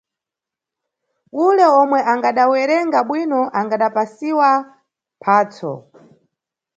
Ule omwe angadawerenga bwino angadapasiwa mphatso